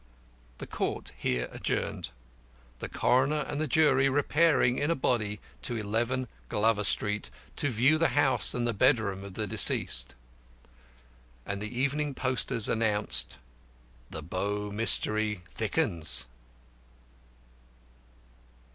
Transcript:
The Court here adjourned, the coroner and the jury repairing in a body to 11 Glover Street, to view the house and the bedroom of the deceased. And the evening posters announced "The Bow Mystery Thickens."